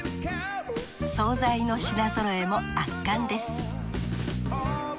惣菜の品ぞろえも圧巻です